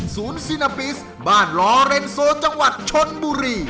ซีนาปิสบ้านลอเรนโซจังหวัดชนบุรี